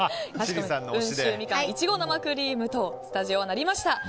温州みかん苺生クリームとスタジオはなりました。